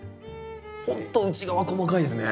ほんと内側細かいですね。